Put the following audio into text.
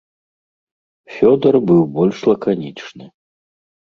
Фёдар быў больш лаканічны.